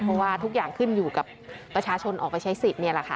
เพราะว่าทุกอย่างขึ้นอยู่กับประชาชนออกไปใช้สิทธิ์นี่แหละค่ะ